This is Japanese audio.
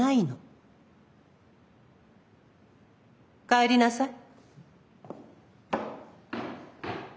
帰りなさい。